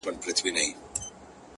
قربانو مخه دي ښه _